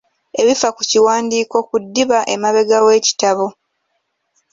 Ebifa ku kiwandiiko ku ddiba emabega w’ekitabo.